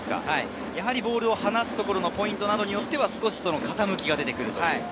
ボールを離すところのポイントによって少し傾きが出てくる。